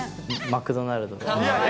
マクドナルド。